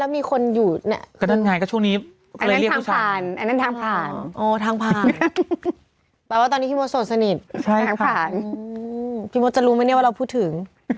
พี่หมดจะรู้ไม่ได้เนี่ยว่าเราพูดถึง